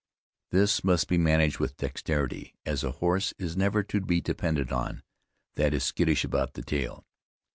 "This must be managed with dexterity, as a horse is never to be depended on that is skittish about the tail.